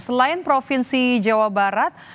selain provinsi jawa barat